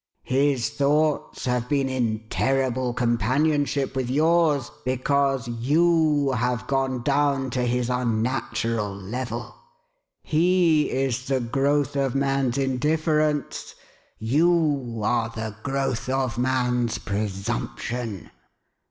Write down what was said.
His thoughts have been in 'terrible companionship' with yours, because you have gone down to his unnatural level. He is the growth of man's indifference ; you are the growth of man's presumption.